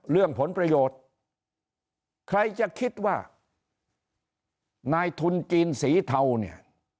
เรื่องผลประโยชน์ใครจะคิดว่านายทุนจีนสีเทาเนี่ย